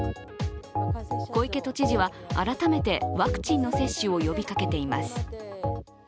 小池都知事は、改めてワクチンの接種を呼びかけています。